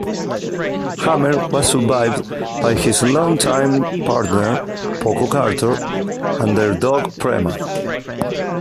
Hammer was survived by his long-time partner, Poco Carter, and their dog Prema.